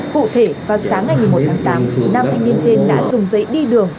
cụ thể vào sáng ngày một mươi một tháng tám nam thanh niên trên đã dùng giấy đi đường